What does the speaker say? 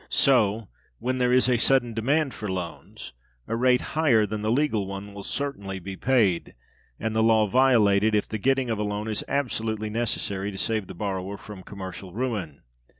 So, when there is a sudden demand for loans, a rate higher than the legal one will certainly be paid, and the law violated, if the getting of a loan is absolutely necessary to save the borrower from commercial ruin.